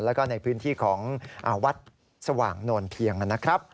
แล้วก็ในพื้นที่ของวัดสว่างโนนเพียงนะครับ